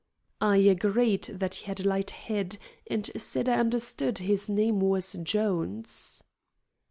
I agreed that he had a light head, and said I understood his name was Jones.